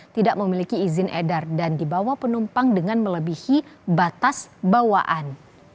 tidak memiliki izin edar dan dibawa penumpang dengan melebihi batas bawaan